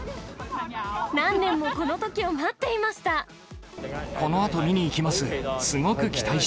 何年もこの時を待っていまし